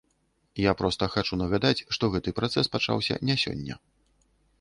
Я проста хачу нагадаць, што гэты працэс пачаўся не сёння.